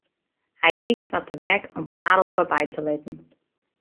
Hy wykt wat tebek om Karel foarby te litten.